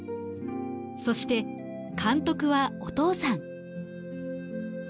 そして監督はお父さん。